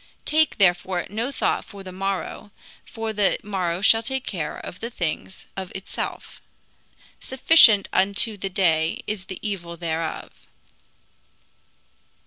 Take therefore no thought for the morrow; for the morrow shall take thought for the things of itself. Sufficient unto the day is the evil thereof."